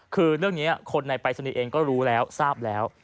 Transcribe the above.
คือเรื่องนี้คนในปรายศนีย์เองก็รู้แล้วทราบแล้ว